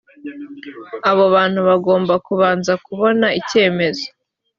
abo bantu bagomba kubanza kubona icyemezo